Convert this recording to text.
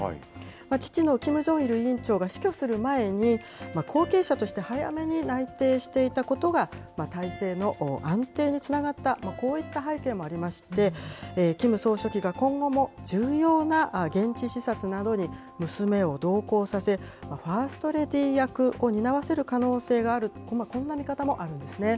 父のキム・ジョンイル委員長が死去する前に、後継者として早めに内定していたことが、体制の安定につながって、こういった背景もありまして、キム総書記が今後も、重要な現地視察などに娘を同行させ、ファーストレディー役を担わせる可能性がある、こんな見方もあるんですね。